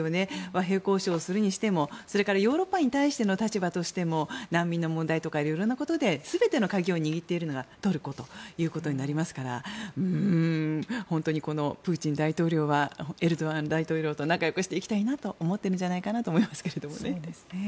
和平交渉をするにしてもそれからヨーロッパへの立場にしても難民の問題とか色んなことで全ての鍵を握っているのがトルコとなりますから本当にプーチン大統領はエルドアン大統領と仲よくしていきたいなと思っているんじゃないかと思いますけどね。